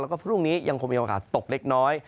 แล้วก็พรุ่งนี้ยังคงมีโอกาสตกเล็กน้อย